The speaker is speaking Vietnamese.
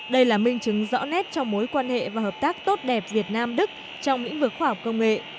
đây là minh chứng rõ nét cho mối quan hệ và hợp tác tốt đẹp việt nam đức trong lĩnh vực khoa học công nghệ